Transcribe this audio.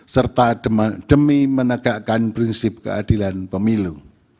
serta demi menegakkan prinsip keadilan pemilu